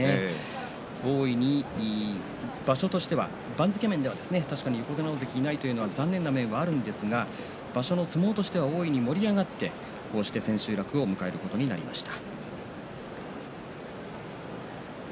大いに場所としては番付面では確かに横綱、大関がいないというのは残念な面ではありますが場所の相撲としては大いに盛り上がって、こうして千秋楽を迎えることになりました。